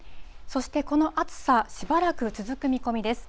そして、この暑さ、しばらく続く見込みです。